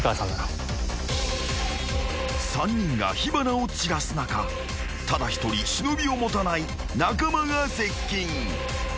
［３人が火花を散らす中ただ一人忍を持たない中間が接近］